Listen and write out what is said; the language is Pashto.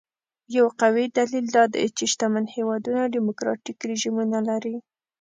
یو قوي دلیل دا دی چې شتمن هېوادونه ډیموکراټیک رژیمونه لري.